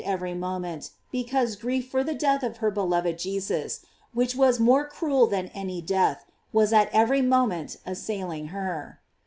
every moment, because grief for the death of her beloved Jesus, which was more cruel than any death, was at every moment assailing her.